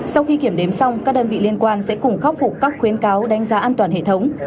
sau khi kiểm đếm xong các đơn vị liên quan sẽ cùng khắc phục các khuyến cáo đánh giá an toàn hệ thống